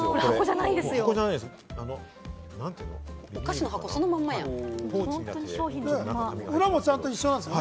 箱じゃないんですよ。